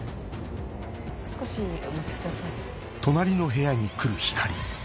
少しお待ちください。